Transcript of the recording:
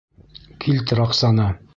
Килтер аҡсаны!